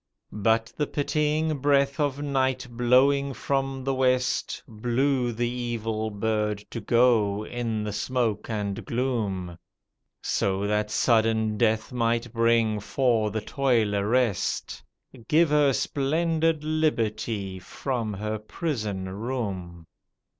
But the pitying breath of night blowing from the west Blew the evil bird to go in the smoke and gloom. So that sudden death might bring for the toiler rest — Give her splendid liberty from her prison room.